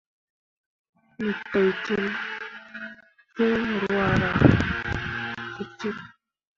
Me teitel fiŋ ruahra cikcik.